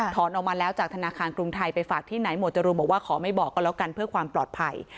ออกมาแล้วจากธนาคารกรุงไทยไปฝากที่ไหนหมวดจรูนบอกว่าขอไม่บอกก็แล้วกันเพื่อความปลอดภัย